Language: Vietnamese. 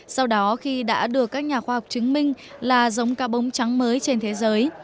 sau đó khi đã được các nhà khoa học chứng minh là giống cá bông trắng mới trên thế giới